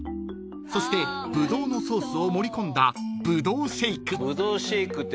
［そしてブドウのソースを盛り込んだぶどうシェイク］